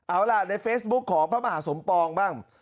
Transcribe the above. เอาล่ะในเฟซบุ๊คของพระมหาสมปองบ้าง